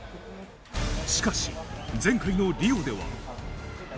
しかし、前回のリオでは。